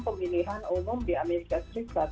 pemilihan umum di as